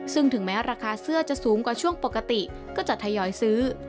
ซึ่งถึงแม้ราคาเสื้อจะสูงกว่าช่วงปกติก็จะทยอยซื้อ